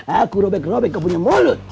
aku robek robek aku punya mulut